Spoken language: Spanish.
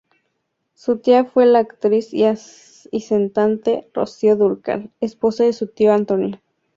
Su tía fue la actriz y cantante Rocío Dúrcal, esposa de su tío Antonio.